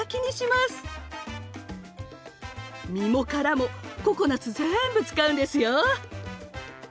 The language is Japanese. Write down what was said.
実も殻もココナツぜんぶ使うんですよ。